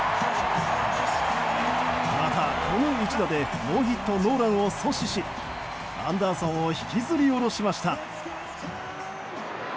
また、この一打でノーヒットノーランを阻止しアンダーソンを引きずり降ろしました。